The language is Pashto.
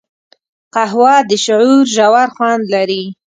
قهوه د شعور ژور خوند لري